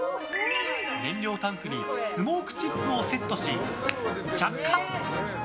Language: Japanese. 燃料タンクにスモークチップをセットし着火。